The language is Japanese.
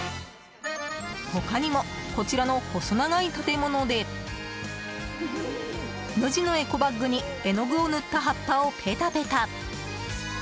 他にも、こちらの細長い建物で無地のエコバッグに絵の具を塗った葉っぱをペタペタ。